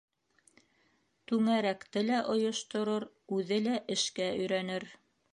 — Түңәрәкте лә ойошторор, үҙе лә эшкә өйрәнер.